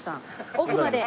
奥まで。